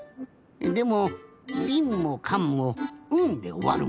でもびんもかんも「ん」でおわるもんな。